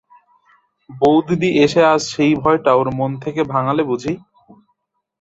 বউদিদি এসে আজ সেই ভয়টা ওর মন থেকে ভাঙালে বুঝি!